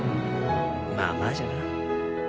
まあまあじゃな。